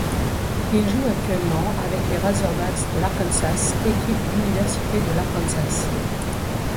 Il joue actuellement avec les Razorbacks de l'Arkansas, équipe de l'université de l'Arkansas.